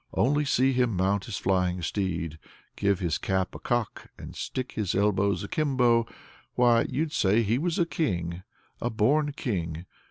Only see him mount his flying steed, give his cap a cock, and stick his elbows akimbo! why, you'd say he was a king, a born king!